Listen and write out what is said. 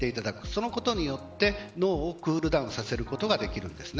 そのことによって脳をクールダウンさせることができるんです。